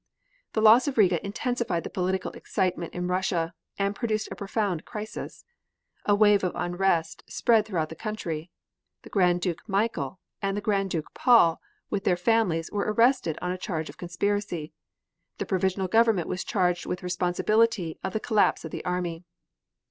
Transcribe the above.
The loss of Riga intensified the political excitement in Russia, and produced a profound crisis. A wave of unrest spread throughout the country. The Grand Duke Michael, and the Grand Duke Paul with their families, were arrested on a charge of conspiracy. The Provisional Government was charged with responsibility of the collapse of the army.